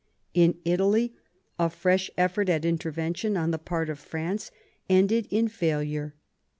In Italy a fresh effort at intervention on the part of France ended in failure.